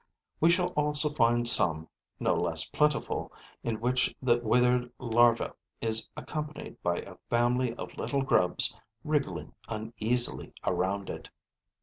We shall also find some, no less plentiful, in which the withered larva is accompanied by a family of little grubs wriggling uneasily around it.